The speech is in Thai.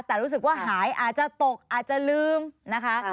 แต่รู้สึกว่าหายอาจจะตกอาจจะลืมนะคะ